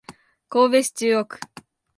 神戸市中央区